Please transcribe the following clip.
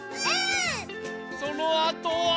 そのあとは。